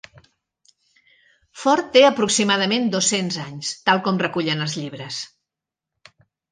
Ford té aproximadament dos-cents anys, tal com recullen els llibres.